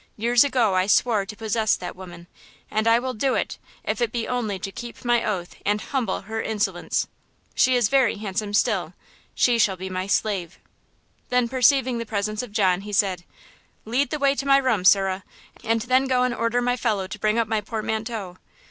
Years ago I swore to possess that woman, and I will do it, if it be only to keep my oath and humble her insolence. She is very handsome still; she shall be my slave!" Then, perceiving the presence of John, he said: "Lead the way to my room, sirrah, and then go and order my fellow to bring up my portmanteau."